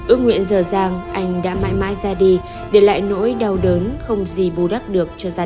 ước nguyện giờ giang anh đã mãi mãi ra đi để lại nỗi đau đớn không gì bù đắp được